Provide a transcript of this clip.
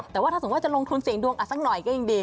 แต่ว่าถ้าสมมุติว่าจะลงทุนเสี่ยงดวงสักหน่อยก็ยังดี